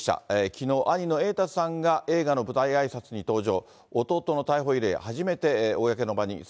きのう、兄の瑛太さんが映画の舞台あいさつに登場。